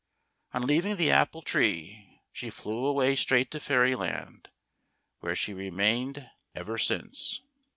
On leaving the apple tree she flew away straight to Fairyland, where she has remained ever since.